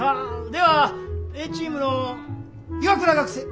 ではＡチームの岩倉学生。